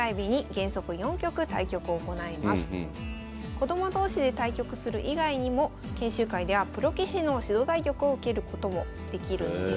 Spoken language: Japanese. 子ども同士で対局する以外にも研修会ではプロ棋士の指導対局を受けることもできるんです。